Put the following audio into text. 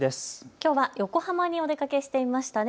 きょうは横浜にお出かけしていましたね。